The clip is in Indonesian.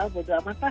oh bodo amat lah